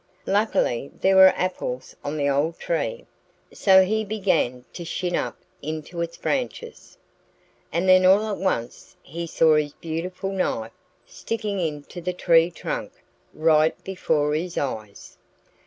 Luckily there were apples on the old tree. So he began to shin up into its branches. And then all at once he saw his beautiful knife sticking into the tree trunk right before his eyes.